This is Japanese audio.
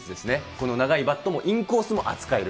この長いバットもインコースも扱える。